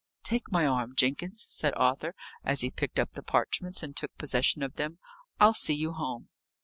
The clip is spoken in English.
"Take my arm, Jenkins," said Arthur, as he picked up the parchments, and took possession of them. "I'll see you home."